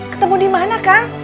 ketemu dimana kang